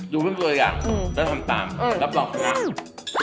อยู่เป็นตัวอีกอย่างจะทำตามแล้วปล่องคุณอ่ะอืม